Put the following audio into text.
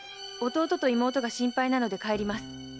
弟と妹が心配なので帰ります」